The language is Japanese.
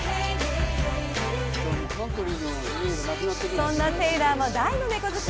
そんなテイラーも大の猫好き。